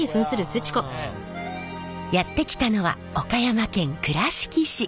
やって来たのは岡山県倉敷市。